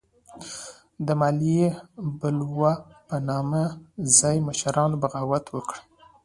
د مالیې بلوا په نامه ځايي مشرانو بغاوت وکړ.